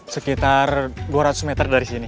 sekitar dua ratus meter dari sini